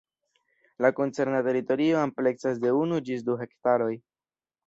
La koncerna teritorio ampleksas de unu ĝis du hektaroj.